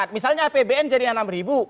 misalnya apbn jadinya rp enam